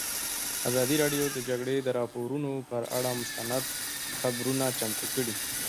ازادي راډیو د د جګړې راپورونه پر اړه مستند خپرونه چمتو کړې.